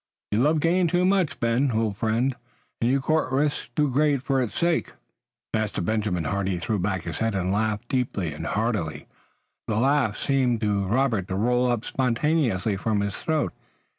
You love gain too much, Ben, old friend, and you court risks too great for its sake." Master Benjamin Hardy threw back his head and laughed deeply and heartily. The laugh seemed to Robert to roll up spontaneously from his throat.